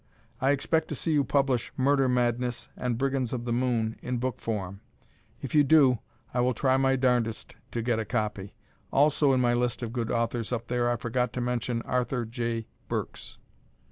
I expect to see you publish "Murder Madness" and "Brigands of the Moon" in book form. If you do, I will try my darnedest to get a copy. Also in my list of good authors up there I forgot to mention Arthur J. Burks.